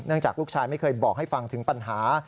จากลูกชายไม่เคยบอกให้ฟังถึงปัญหา